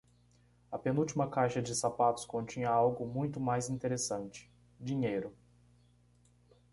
A penúltima caixa de sapatos continha algo muito mais interessante - dinheiro.